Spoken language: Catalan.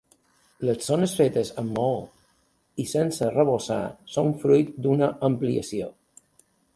Les zones fetes amb maó i sense arrebossar són fruit d'una ampliació.